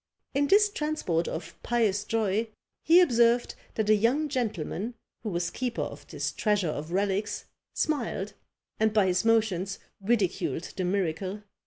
In this transport of pious joy, he observed that a young gentleman, who was keeper of this treasure of relics, smiled, and by his motions ridiculed the miracle.